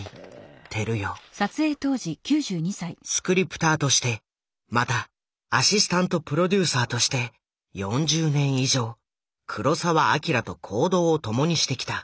スクリプターとしてまたアシスタント・プロデューサーとして４０年以上黒澤明と行動を共にしてきた。